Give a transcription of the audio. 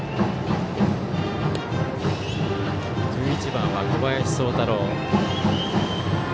１１番は小林聡太朗。